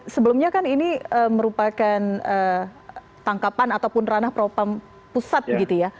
sebelumnya kan ini merupakan tangkapan ataupun ranah propam pusat